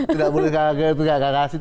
tidak boleh kaget kaget